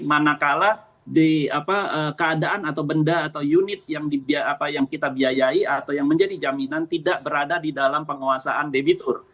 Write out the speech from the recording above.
manakala di keadaan atau benda atau unit yang kita biayai atau yang menjadi jaminan tidak berada di dalam penguasaan debitur